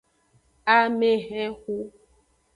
Amehenxu.